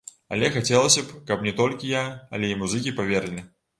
Але хацелася б, каб не толькі я, але і музыкі паверылі.